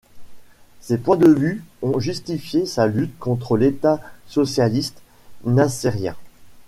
Ces points de vue ont justifié sa lutte contre l'État socialiste nassérien.